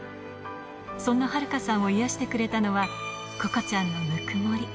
そんな晴香さんを癒やしてくれたのはここちゃんのぬくもり。